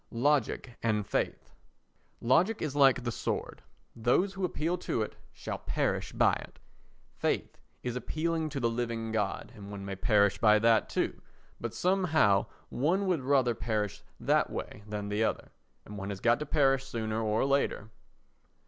Logic and Faith Logic is like the sword—those who appeal to it shall perish by it. Faith is appealing to the living God, and one may perish by that too, but somehow one would rather perish that way than the other, and one has got to perish sooner or later.